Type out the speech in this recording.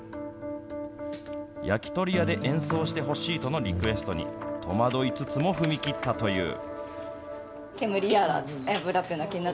焼き鳥屋で演奏してほしいとのリクエストに、戸惑いつつも踏み切ったという。